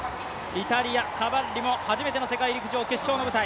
イタリア、カバッリも初めての決勝の舞台。